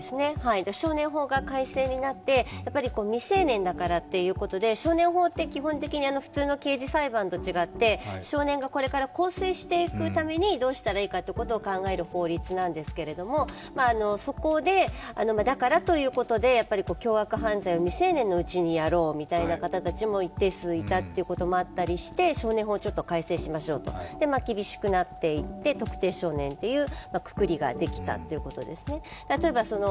少年法が改正になって、未成年だからということで少年法って基本的に普通の刑事裁判と違って少年がこれから更生していくためにどうしたらいいかと考える法律なんですけれどもそこで、だからということで凶悪犯罪を未成年のうちにやろうみたいな方たちも一定数いたということもあって少年法を改正しましょうと、それで厳しくなっていって、特定少年というくくりができたということですね。